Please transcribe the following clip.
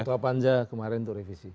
ketua panja kemarin untuk revisi